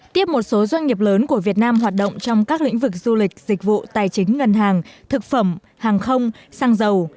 tiếp một số doanh nghiệp lớn của việt nam hoạt động trong các lĩnh vực du lịch dịch vụ tài chính ngân hàng thực phẩm hàng không xăng dầu